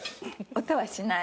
音はしない！